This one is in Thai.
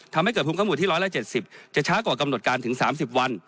ทำให้เกิดภูมิข้างหมดที่๑๗๐จะช้ากว่ากำหนดการถึง๓๐วัน